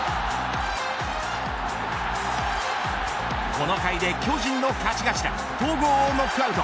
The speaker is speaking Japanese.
この回で巨人の勝ち頭戸郷をノックアウト。